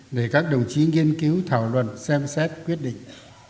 để các đồng chí nghiên cứu thảo luận xem xét quyết định